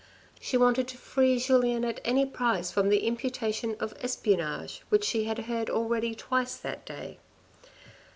She wanted to free Julien at any price from the imputation of espionage which she had heard already twice that day.